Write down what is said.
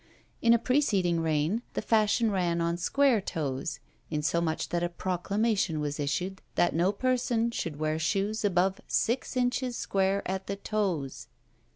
In a preceding reign the fashion ran on square toes; insomuch that a proclamation was issued that no person should wear shoes above six inches square at the toes!